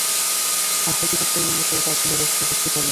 আহলি কিতাবদের মতে তা ছিল রৌপ্য ভর্তি থলে।